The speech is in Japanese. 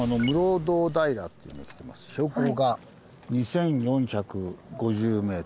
標高が２４５０ｍ。